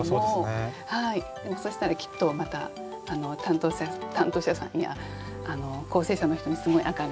でもそしたらきっとまた担当者さんや校正者の人にすごい赤が。